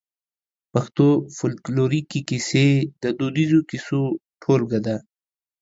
پښتو فولکلوريکي کيسې د دوديزو کيسو ټولګه ده.